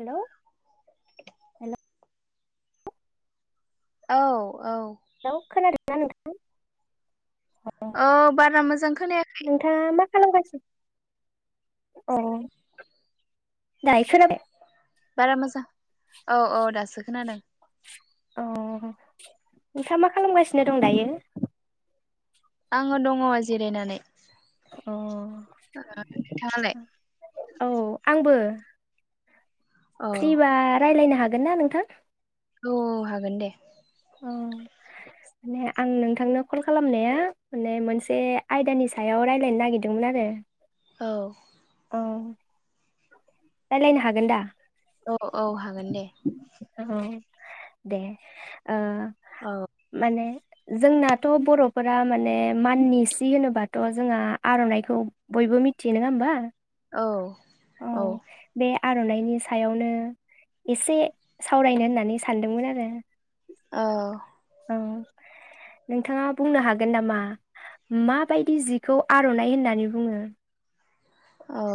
Hello. Hello औ-औ। Hello खोनादों ना नोंथां औ बारा मोजां खोनायाखै। नोंथाङा मा खालामगासिनो अ दायो खोनाबाय बारा मोजां औ औ दासो खोनादों। अ नोंथाङ मा खालामगासिनो दं दायो। आङो दङ जिरायनानै। अ। नोंथाङालाय औ आंबो। औ फ्रिबा रायलायनो हाग गोन ना नोंथां? औ हागोन दे। अ माने आं नोंथांनो कल खालामनाया माने मोनसे आयदानि सायाव रायलायनो नागिरदोंमोन आरो औ। औ रायलायनो हागोन दा? औ औ हागोन दे। औ दे ओ औ माने जोंनाथ' बर'फोरा माने माननि सि होनोबाथ' जोंहा आर'नाइखौ बयबो मिथियो नोङा होमबा? औ। औ। बे आरनाइनि सायावनो एसे सावरायनो होननानै सानदोंमोन आरो। औ उम नोंथाङा बुंनो हागोन नामा माबायदि जिखौ आरनाइ होननानै बुङो। औ।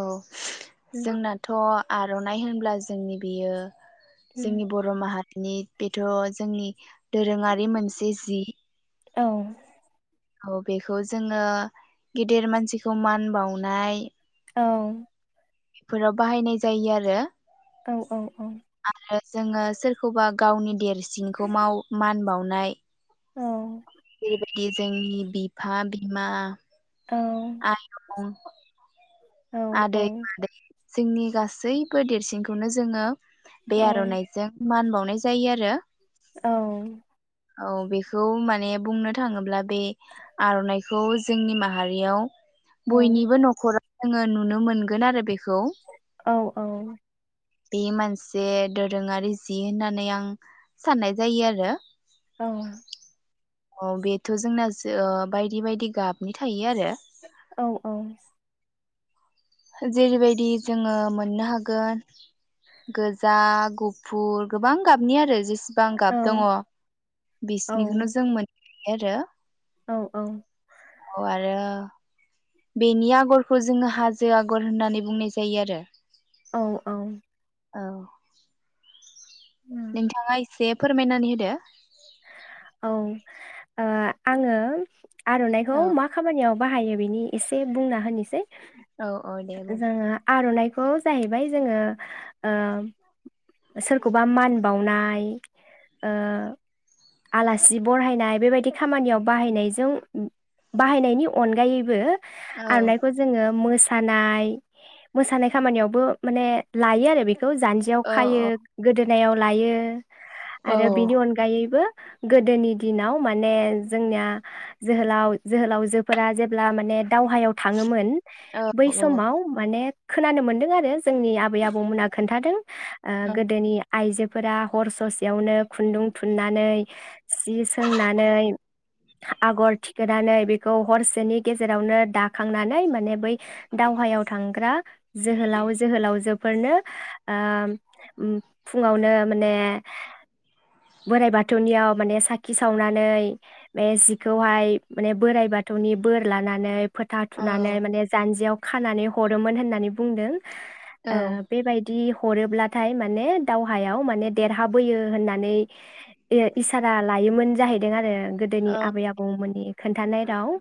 जोंनाथ आरनाइ होनब्ला जोंनि बियो जोंनि बर माहा नि बेथ जोंनि दोरोङारि मोनसे जि औ। औ बेखौ जोङो गिदिर मानसिखौ मान बावनाय औ। बेफोराव बाहायनाय जायो आरो औ औ औ आरो जोङो सोरखौबा गावनि देरसिनखौ माव मान बावनाय औ बेबायदि जोंनि बिफा-बिमा [unintelligible] औ आदै मादै जोंनि गासैबो देरसिनखौनो जोङो बे आरनाइजों मान बावनो नाय जायो आरो औ औ बेखौ माने बुंनो थाङोब्ला बे आरनाइखौ जोंनि माहारियाव औ बयनिबो नखरा जोङो नुनो मोनगोन आरो बे औ-औ बे मोनसे दोरोङारि जि होननानै आं साननाय जायोआरो औ अ बेथ' जोंना जो‌ ओ बायदि बायदि गाबनि थायो आरो औ औ जेरैबायदि जोङो मोननो हागोन गोजा, गुफुर गोबां गाबनिआरो जेसे गां गाब दंङ बिसिनिखौनो जों मोन [unintelligible] औ औ औ आरो बेनि आगरखौ जोङो हाजो आगर होननानै बुंनाय जायोआरो औ औ। औ नोंथाङा एसे फोरमायनानै होदो औ ओ आङो आरनाइखौ औ मा खामानियाव बाहायो बेनि एसे बुंना होनोसै औ औ दे बुं जोंङो आरनाइ ख खौ जाहैबाय जोङो ओ सोरखौबा मान बावनाय ओ आलासि बरहायनाय बेबायदि खामानियाव बाहायनायजों बाहायनायनि अनगायैबो औ आरनायइखौ जोङो मोस थानाय मोसानाय खामानियावबो माने लायो आरो बे खौ जान्जियाव औ खायो औ गोदो नायाव लायो। आरो बिनि औ अनगायैबो गोदोनि दिनाव माने जोंनिया जोहोलाव जोहोलावजोफोरा जेब्ला माने दावहायाव थांङोमोन औ औ बैसमाव माने। खोनानो मोन्दों आरो जोंनि आबै आबौमोनहा खोन्थादों। ओ औ गोदोनि आइजोफ फोरा हर ससेयावनो खुन्दुं थुननानै। सि सोंनानै आगरथिखोनानै बेखौ हरसेनिगेजेरावनो दाखांनानै माने बै दावहायावथांग्रा जोहोलाव जोहोलावजोफोरनो ओ उम फुङावनो माने बोराइबाथ थुनियाव माने साखिसावनानै बे जिखौहाय माने बोराइबाथौनि बोरलानानै। फोथाथुनानै माने जान्जियाव खानानैहरोमोन होननानैबुंदों। औ ओह बेबायदि हरोब्लाथाय माने दावहायाव माने देरहाबोयो होननानै हायोमोन जाहैदों आरो गोदोनि आबै आबौमोननि खोन्थानाय राव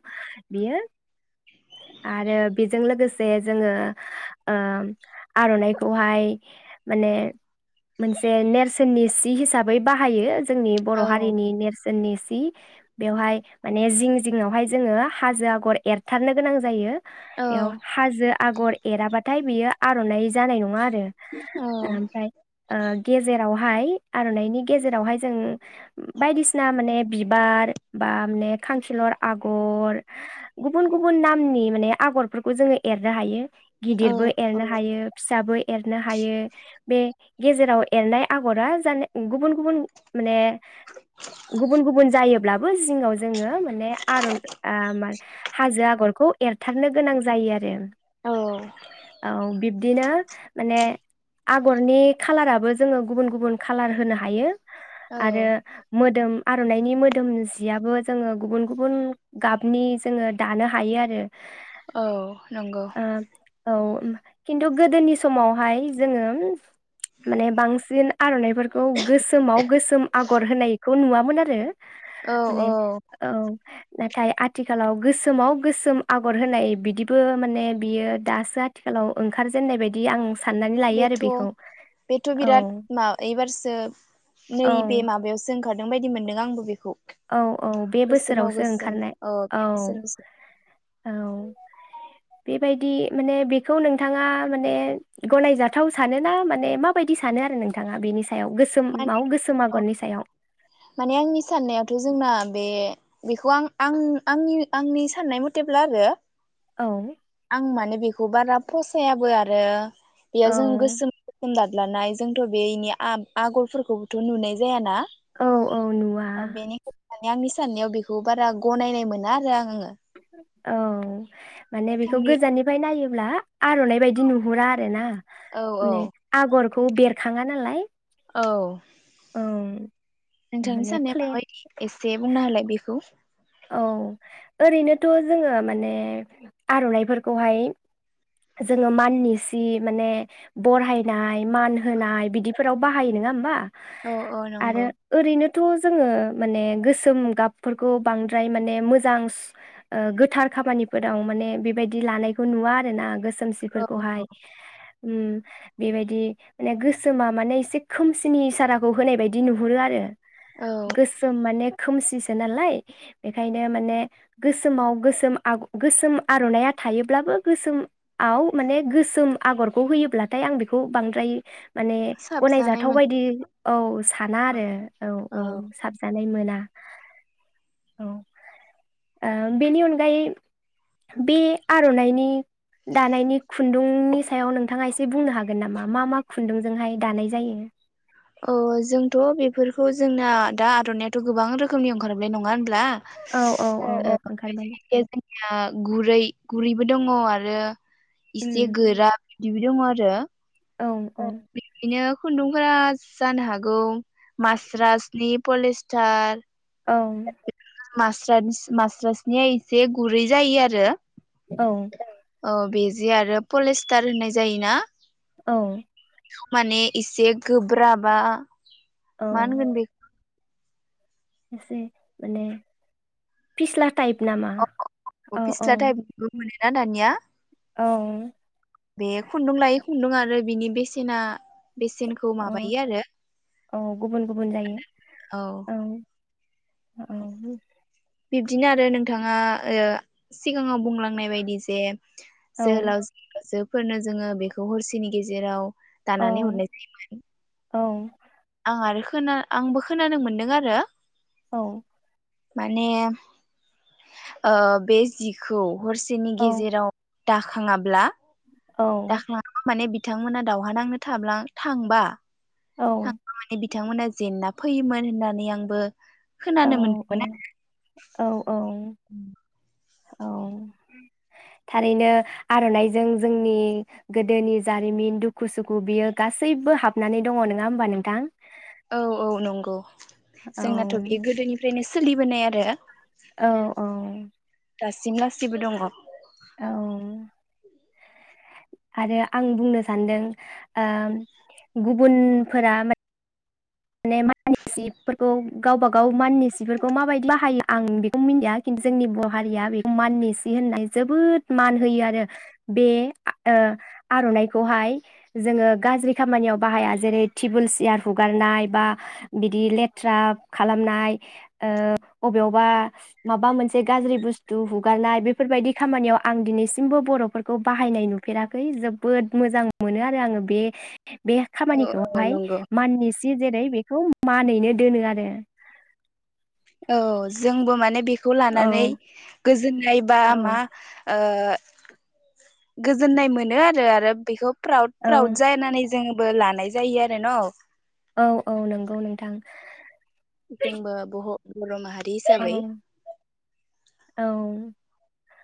बियो आरो बेजों लोगोसे जोङो ओ आरनाइखौहाय माने मोनसे नेरसोननि सि हिसाबै बाहायो जोंनि औ बर' हारिनि नेरस जोननि सि बेवहाय माने जिं जिंङआवहाय जोङो हाजो आगर एरथारनो गोनां जायो। बेयाव हाजो आगर एराबा नाथाय बियो आरनाइ जानाय नङा आरो। ओमफ्राय ओ गेजेराव हाय आरननायनि गेजेरावहाय जों बायदिसिना माने बिबार बा माने खांखिलर आगर गुबुन गुबुन नामनि माने आगरफोरखौ जोङो एरनो हायो। गिदिरबो एरनो हायो फिसाबो एरनो हायो बे गेजेराव एरनाय आगरा जानो गुबुन गुबुन माने गुबुन गुबुन जायोब्लाबो जिङाव जोङो माने आरन हाजो आगरखौ एरथारनो गोनां जायो आरो। औ औ बिब बिदिनो माने आगरनि खालाराबो जोङो गुबुन गुबुन खालार होनो हायो औ आरो मोद मोदोम आरनाइनि मोदोम जियाबो जोङो गुबुन गुबुन गाबनि जोङो दानो हायो आरो औ नंगौ। ओ औ खिन्थु गोदोनि समावहाय जोङो माने बांसिन आरनाइफोरखौ गोसोमाव गोसोम आगर होनाय खौ नुवामोन आरो। औ माने औ औ नाथाय आथिखालाव गोसोमाव गोसोम आगर होनाय बिदिबो माने बियो दासो आथिखालाव ओंखारजेननाय बायदि आं साननानै लायो आरो बेथ बेखौ बेथ औ बिराद मा एबारसो औ नैबे माबायावसो जोंखादों बायदि मोन्दों आंबो बेखौ। औ-औ बे गोसोमाव बोसोरावसो गोसोम ओंखारनाय औ। बे बोसोरावसो औ बेबायदि माने बेखौ नोंथाङा माने गनायजाथाव सान ना माने माबायदि सानो आरो नोंथाङा बेनि सा माने गोसोमाव गोसोम औ आगरनि सायाव माने आंनि साननायावथ' जोंना बे बेखौ आं आ आंनि आंनि साननाय मथेब्ला आरो। औ आं माने बेखौ बारा फसायाबो आरो बेयो औ जों गोसोम गोसोम दाग लानाय जोंथ' बेनि आगरफोरखौबोथ' नुनाय जायाना। औ औ नुवा औ बेनि ओमफाय आंनि साननायाव बेखौ बारा गनायनाय मोना आरो आं आङो औ माने बेखौ नोंथांनि गोजाननिफ्राय नायो होनब्ला आरनाय बायदि नुहुरा आरो ना औ औ माने आगर खौ बेरखाङा नालाय औ उम नोंथांनि साननाया माबायदि एसे बुंना होलाय बेखौ औ ओरैनोथ' जोङो माने आरनाइफोरखौहाय जोङो माननि सि माने बरहायनाय मान होनाय बिदिफोराव बाहायो नङा होमबा? औ औ नंगौ। थ जोङो माने गोसोम गाबफोरखौ बांद्राय माने मोजां गोथार खामानिफोराव माने बेबायदि लानायखौ नुवा आरोना गोस औ सोमसिफोरखौहाय औ ओम बेबायदि माने गोसोमा माने एसे खोमसिनि इसाराखौ होनाय बायदि नुहरो आरो औ गोसोम माने खोमसिसो नालाय बेखायनो माने गोसोमाव गोसोम आग गोसोम आरनाइया थायोब्लाबो गोसोमआव माने गोसोम आगरखौ होयोब्लाथाय आं बेखौ बांद्राय माने साबजानाय गनायजाथाव मोनो बायदि औ साना आरो औ औ साबजानाय मोना [inaudible] [inaudible] औ, ओ बेनि अनगायै बे आरनाइनि दानायनि खुन्दुंनि सायाव नोंथाङा एसे बुंनो हागोन नामा मा मा खुन्दुंजोंहाय दानाय जायो? अ जोंथ बेफोरखौ जोंना दा आरनायाथ गोबां रोखोमनि ओंखारबाय नंङा होनब्ला? औ औ औ ओंखारबाय [unintelligible] जोंनिया गुरै गुरैबो दङ आरो इसे उम गोरा दिबि दङ आरो औ ओं बिदिनो खुन्दुंफोरा जानो हागौ मास्रासनि पलिस्टार औ मास्रास मास्रासनिया एसे गुरै जायो आरो औ औ बिज जि आरो पलिस्टार होननाय जायोना? औ माने इसे गोब्राबा औ मा होनगोन बेखौ एसे माने फिसला अ अ अ फिस्ला टाइपनिबो मानो ना दानिया औ बेयो खुन्दुं लायै खुन्दुं आरो बेनि बेसेना बेसेनखौ औ माबायो आरो गुबुन गुबुन जायो औ। औ [unintelligible] बिब्दिनो आरो नोंथाङा ओ सिगांङाव बुंलांनाय बायदि जे औ जोहोलावजो जोब फोरनो जोङो बेखौ हरसेनि गेजेराव औ दानानै हरनाय जायोमोन औ आं आरो खोना आंबो खोनानो मोनदों आरो औ। माने ओ बे जिखौ हरसेनि औ गेजेराव दाखाङाब्ला। दाख्लाबा माने बि बिथांमोना दावहा नांनो थांब्ला थांबा थांब्ला माने बि बिथांमोना जेनना फैयोमोन होननानै आंबो खोनानो औ औ मोनदोंमोन आरो। औ औ थारैनो आर'नाइजों जोंनि गोदोनि जारिमिन दुखु सुखु बियो गासैबो हाबनानै दङ नङा ओमबा नोंथां। आरो औ नंगौ औ जोंनाथ बे गोदोनिफ्रायनो सोलिबोनाय आरो। औ औ। दासिम लासैबो दंङ। औ आरो आं बुंनो सानदों गुबुनफोरा मा माने माननि सिफोरखौ गावबा गाव माननि सिफोरखौ माबायदि बाहायो आं बेखौ मिथिया खिन्थु जोंनि बर हारिया बेखौ माननि सि होनना जोबोद मान होयो आरो बे आरनाइखौहाय जोङो गाज्रि खामानियाव बाहाया जेरै टेबुल सियार हुगारनाय बा बिदि लेथ्रा खालामनाय ओ अबेयावबा माबा मोनसे गाज्रि बस्थु हुगारनाय बेफोर बायदि खामानियाव आं दिनैसिमबो बर'फोरखौ बाहायनाय नुफेराखै जोबोद मोजां मोनो आरो आङो बे बे औ खामानिखौहाय नंगौ माननि सि जेरै बेखौ मानैनो दोनो आरो। औ जोंबो माने बे बेखौ औ लानानै गोजोन फ्राय बा मा औ ओ गोजोननाय मोनो आरो आरो बेखौ प्राइड औ प्राउड जानानै जोङबो लानाय जायो आरो न औ औ नंगौ नोंथां जोंबो बह बर' माहारि औ हिसाबै औ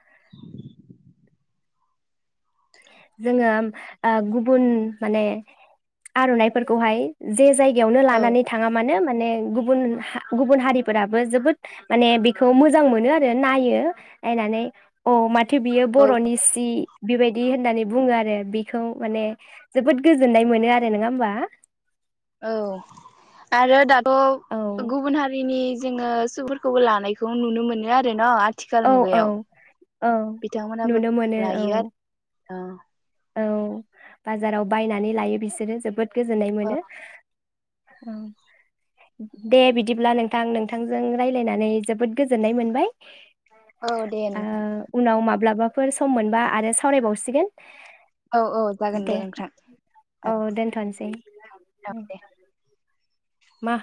[inaudible] जोङो गुबुन माने आरनाइफोरखौहाय जे जाया जायगायावनो औ लानानै थाङा मानो माने गुबुन हा गुबुन हारिफोराबो जोबोद माने बेखौ मोजां मोनो आरो नायो नायनानै औ मथ एखे बियो औ बर'नि सि बिबाय दि होननानै बुङो आरो बिखौ माने जोबोद गोजोननाय मोनो आरो नङा होमबा। औ आरो दाथ औ गुबुन हारिनि जोङो सुफोरखौबो लानायखौ नुनो मोनो आरो न आथिखाल औ औ मुगायाव औ नुनो मोनो औ औ औ बाजाराव बायनानै लायो बिसोरो जोबोद गोजोननाय औ मोनो। औ दे बिदिब्ला नोंथां नोंथांजों राय्लायनानै जोबोद गोजोननाय मोनबाय। औ दे ओ नोंथां उनाव माब्लाबा। फोर सम मोनबा आरो सावरायबावसिगोन। औ औ जागोन दे नोंथां औ औ दे मा